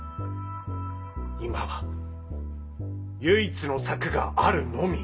今は唯一の策があるのみ。